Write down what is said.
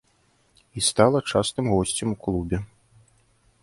І стала частым госцем у клубе.